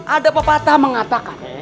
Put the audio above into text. ada pepatah mengatakan